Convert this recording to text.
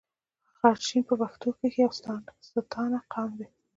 غرشین په پښتنو کښي يو ستانه قوم دﺉ.